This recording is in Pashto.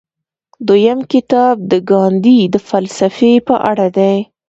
دویم کتاب د ګاندي د فلسفې په اړه دی.